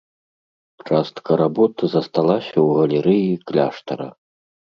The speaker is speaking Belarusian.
Частка работ засталася ў галерэі кляштара.